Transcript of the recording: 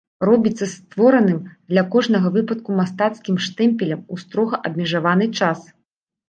Робіцца створаным для кожнага выпадку мастацкім штэмпелем у строга абмежаваны час.